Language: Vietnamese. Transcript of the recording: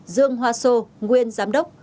dương hoa sô nguyên giám đốc